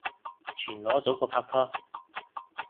全裸早過拍拖